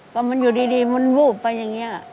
ก็มันอยู่ดีมันวูบไปอย่างนี้